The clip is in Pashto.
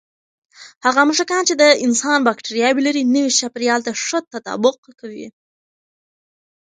هغه موږکان چې د انسان بکتریاوې لري، نوي چاپېریال ته ښه تطابق کوي.